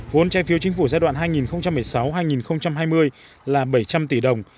vốn trai phiêu chính phủ giai đoạn hai nghìn một mươi sáu hai nghìn hai mươi là bảy trăm linh tỷ đồng